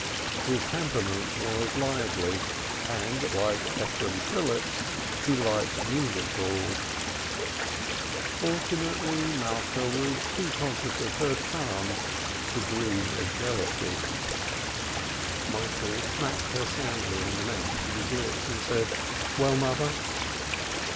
His temperament was lively, and, like Ephraim Phillips, he liked music halls. Fortunately, Malka was too conscious of her charms to dream of jealousy. Michael smacked her soundly on the mouth with his lips and said: "Well, mother!"